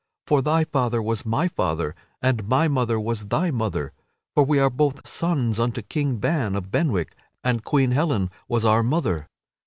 For thy father was my father, and my mother was thy mother! For we are both sons unto King Ban of Benwick, and Queen Helen was our mother."